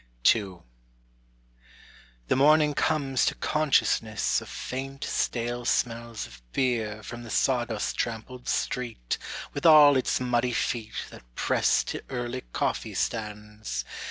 II The morning comes to consciousness Of faint stale smells of beer From the sawdust trampled street With all its muddy feet that press To early coffee stands.